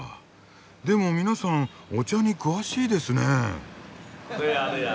でも皆さんお茶に詳しいですねえ。